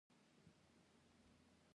دا تاج ډیر نازک او ښکلی جوړ شوی و